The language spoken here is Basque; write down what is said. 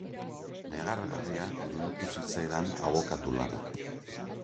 Negargarria iruditu zitzaidan abokatu lana.